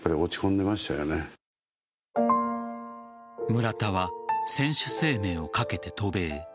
村田は選手生命をかけて渡米。